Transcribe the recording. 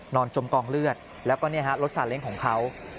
นอนจมกองเลือดแล้วก็เนี่ยฮะรถสานเล็งของเขา